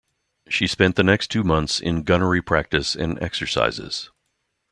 She spent the next two months in gunnery practice and exercises.